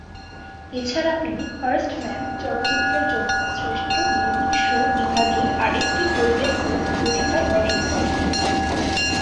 এছাড়া তিনি "First Man" চলচ্চিত্রের জন্য শ্রেষ্ঠ মৌলিক সুর বিভাগে আরেকটি গোল্ডেন গ্লোব পুরস্কার অর্জন করেন।